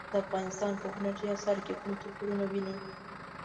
د افغانستان په هنري اثارو کې کوم توپیرونه وینئ؟